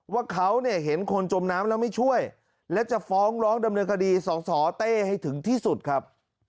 ว่าเขาเนี่ยเห็นคนจมน้ำแล้วไม่ช่วยและจะฟ้องร้องดำเนินคดีสสเต้ให้ถึงที่สุดครับ